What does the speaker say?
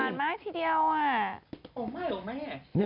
หวานมากทีเดียวอ่ะ